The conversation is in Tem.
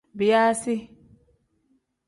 Biyaasi.